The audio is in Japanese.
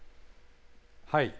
はい。